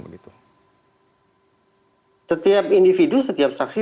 setiap individu setiap saksi